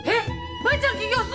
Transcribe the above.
舞ちゃん起業すんの！？